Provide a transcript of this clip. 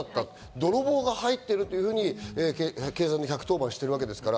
泥棒が入ってるというふうに警察に１１０番しているわけですから、